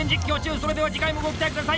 それでは次回もご期待ください。